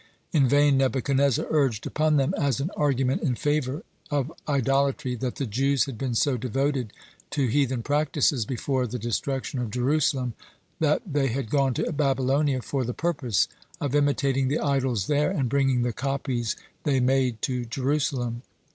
In vain Nebuchadnezzar urged upon them, as an argument in favor if idolatry, that the Jews had been so devoted to heathen practices before the destruction of Jerusalem that they had gone to Babylonia for the purpose of imitating the idols there and bringing the copies they made to Jerusalem.